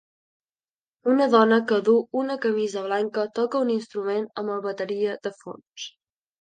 Una dona que duu una camisa blanca toca un instrument amb el bateria de fons.